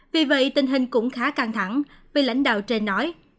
vì vậy tình hình cũng khá căng thẳng vì lãnh đạo trên nói